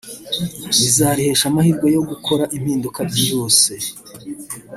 bizarihesha amahirwe yo gukora impinduka byihuse